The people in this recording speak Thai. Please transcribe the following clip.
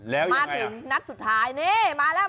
แล้วมาถึงนัดสุดท้ายนี่มาแล้ว